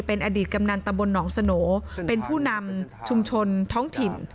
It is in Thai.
เป็นอดีตกำนันตำบลหนองสโนเป็นผู้นำชุมชนท้องถิ่น